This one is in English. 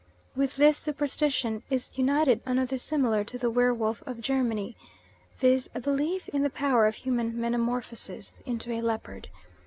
With this superstition is united another similar to the werewolf of Germany, viz., a belief in the power of human metamorphosis into a leopard.